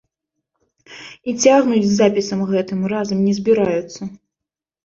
І цягнуць з запісам гэтым разам не збіраюцца!